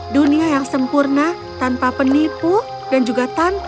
dunia yang sempurna tanpa penipu dan juga terlalu banyak